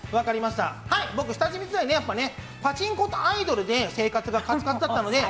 僕、下積み時代パチンコとアイドルで生活がカツカツだったので。